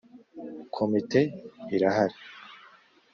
Komite irahari.